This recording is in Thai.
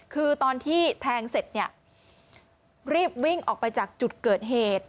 คือตอนที่แทงเสร็จเนี่ยรีบวิ่งออกไปจากจุดเกิดเหตุ